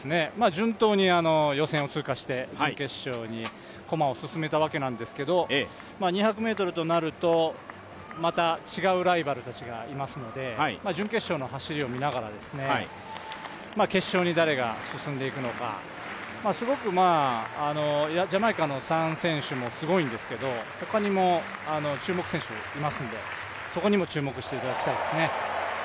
順当に予選を通過して準決勝に駒を進めたわけなんですけど２００ｍとなると、また違うライバルたちがいますので準決勝の走りを見ながら決勝に誰が進んでいくのか、すごく、ジャマイカの３選手もすごいんですけどほかにも注目選手いるのでそこにも注目していただきたいですね。